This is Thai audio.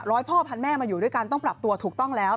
พ่อพันแม่มาอยู่ด้วยกันต้องปรับตัวถูกต้องแล้ว